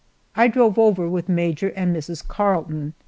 I drove over with Major and Mrs. Carleton.